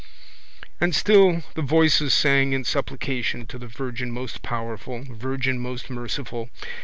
And still the voices sang in supplication to the Virgin most powerful, Virgin most merciful.